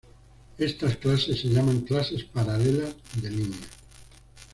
Estas clases se llaman "clases paralelas" de líneas.